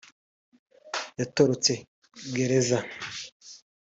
yatorotse gereza